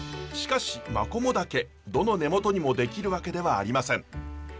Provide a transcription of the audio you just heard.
しかしマコモダケどの根本にも出来るわけではありません。